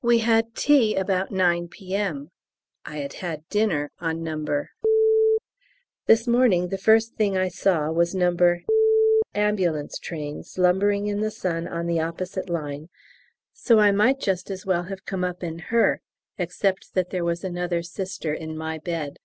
We had tea about 9 P.M. I had had dinner on No. . This morning the first thing I saw was No. A.T. slumbering in the sun on the opposite line, so I might just as well have come up in her, except that there was another Sister in my bed.